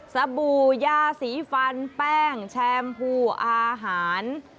สบู่ยาสีฟันแป้งแชมพูอาหาร